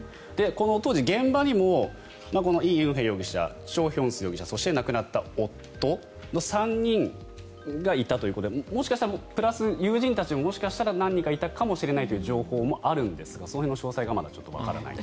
当時、現場にもイ・ウンヘ容疑者チョ・ヒョンス容疑者そして亡くなった夫の３人がいたということでもしかしたらプラス、友人たちも何人かいたかもしれないという情報もあるんですがその辺の詳細がちょっとわからないと。